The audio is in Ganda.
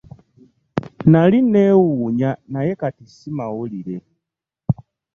Nnali nneewuunya naye kati si mawulire.